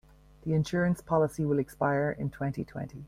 The insurance policy will expire in twenty-twenty.